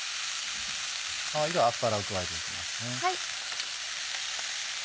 ではアスパラを加えていきます。